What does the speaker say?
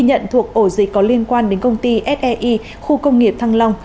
một ổ dịch có liên quan đến công ty sei khu công nghiệp thăng long